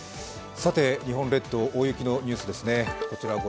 日本列島、大雪のニュースです。